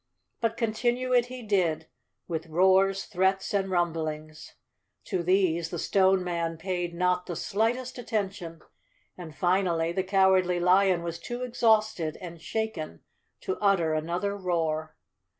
But continue it he did, with roars, threats and rumblings. To these the Stone Man paid not the slight¬ est attention, and finally the Cowardly Lion was too ex¬ hausted and shaken to utter another roar.